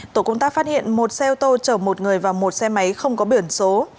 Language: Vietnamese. tổ công tác phát hiện một xe ô tô chở một người và một xe máy không có biển số